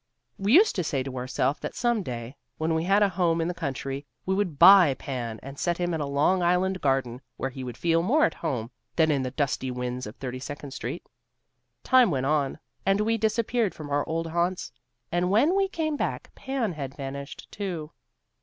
We used to say to ourself that some day when we had a home in the country we would buy Pan and set him in a Long Island garden where he would feel more at home than in the dusty winds of Thirty second Street. Time went on and we disappeared from our old haunts, and when we came back Pan had vanished, too.